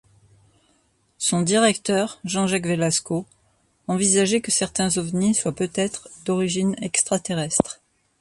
Son directeur, Jean-Jacques Velasco, envisageait que certains ovnis soient peut-être d'origine extra-terrestre.